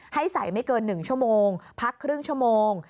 ให้ใส่ไม่เกิน๑ชั่วโมงพักครึ่งชั่วโมง